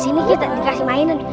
ini kita dikasih mainan